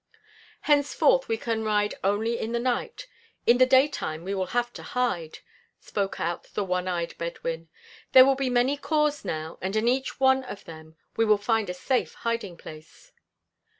"Henceforth we can ride only in the night; in the daytime we will have to hide!" spoke out the one eyed Bedouin. "There will be many khors now and in each one of them we will find a safe hiding place."